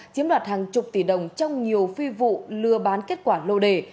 chiếm đoạt hàng chục tỷ đồng trong nhiều phi vụ lừa bán kết quả lô đề